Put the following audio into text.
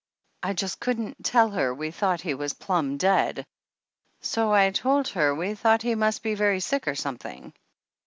I just couldn't tell her we thought he was plumb dead, so I told her we thought he must be very sick or something.